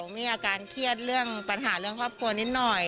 ผมมีอาการเครียดปัญหาเรื่องควบคุณนิดหน่อย